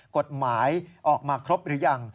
กฎหมายออกมาครบหรือยัง